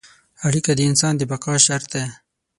اړیکه د انسان د بقا شرط ده.